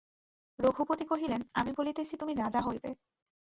রঘুপতি কহিলেন, আমি বলিতেছি তুমি রাজা হইবে।